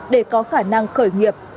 để có khả năng khởi nghiệp